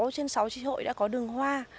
sáu trên sáu trí hội đã có đường hoa